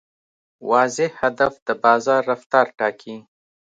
واضح هدف د بازار رفتار ټاکي.